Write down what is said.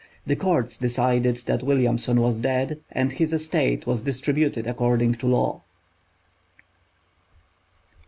The courts decided that Williamson was dead, and his estate was distributed according to law.